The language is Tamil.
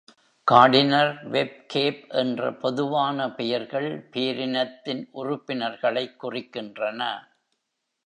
கார்டினார், வெப்கேப் என்ற பொதுவான பெயர்கள் பேரினத்தின் உறுப்பினர்களைக் குறிக்கின்றன.